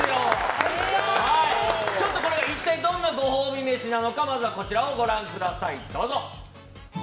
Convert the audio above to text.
一体どんなご褒美飯なのかまずはこちらをご覧ください。